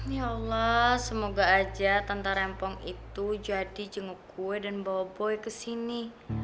ya allah semoga aja tante rempong itu jadi jenguk gue dan bawa boy kesini